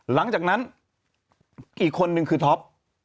หลังจากนั้นอีกคนนึงคือท็อป